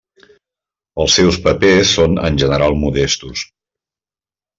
Els seus papers són en general modestos.